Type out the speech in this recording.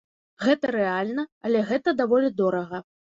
Гэта рэальна, але гэта даволі дорага.